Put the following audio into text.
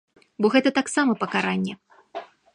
Бо гэта таксама пакаранне.